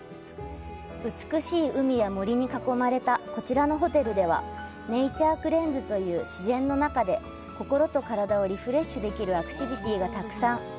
美しい海や森に囲まれたこちらのホテルでは、“ネイチャークレンズ”という自然の中で心と体をリフレッシュできるアクティビティがたくさん。